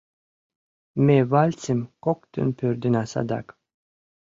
Ме вальсым коктын пӧрдына садак.